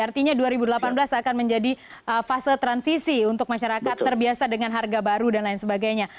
artinya dua ribu delapan belas akan menjadi fase transisi untuk masyarakat terbiasa dengan harga baru dan lain sebagainya